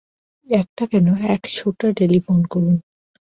একটা কেন, এক শাটা টেলিফোন করুন।